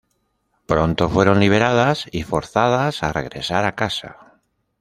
Pronto fueron liberadas y forzadas a regresar a casa.